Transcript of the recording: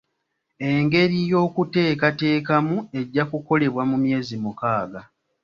Engeri y'okuteekateekamu ejja kukolebwa mu myezi mukaaga.